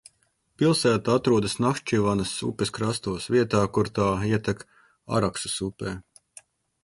Pilsēta atrodas Nahčivanas upes krastos, vietā, kur tā ietek Araksas upē.